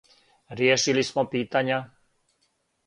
"Ријешили смо питања."